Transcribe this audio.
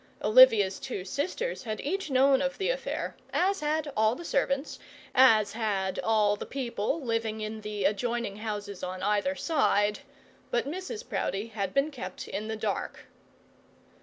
Olivia's two sisters had each known of the affair, so had all the servants, so had all the people living in the adjoining houses on either side; but Mrs Proudie had been kept in the dark.